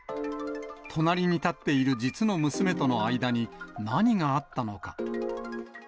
隣に立っている実の娘との間に何があったのか。